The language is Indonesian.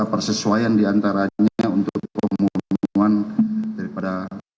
persesuaian diantaranya untuk pengumuman daripada